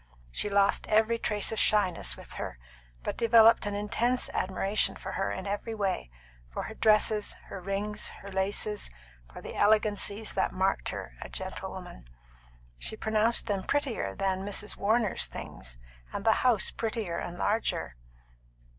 She lost every trace of shyness with her, but developed an intense admiration for her in every way for her dresses, her rings, her laces, for the elegancies that marked her a gentlewoman. She pronounced them prettier than Mrs. Warner's things, and the house prettier and larger.